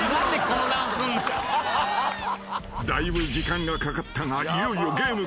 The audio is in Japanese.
［だいぶ時間がかかったがいよいよゲーム開始］